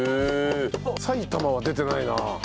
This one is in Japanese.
埼玉は出てないな。